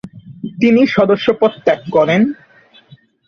তিনি সদস্য পদ ত্যাগ করেন ।